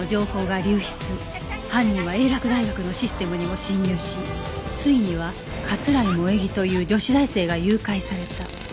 犯人は英洛大学のシステムにも侵入しついには桂井萌衣という女子大生が誘拐された